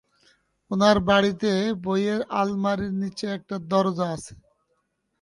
উনার বাড়িতে বইয়ের আলমারির নিচে একটা দরজা আছে।